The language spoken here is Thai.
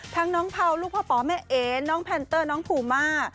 ทั้งน้องเภาลูกพ่อแม่เอน้องแพนเตอร์น้องภูมิ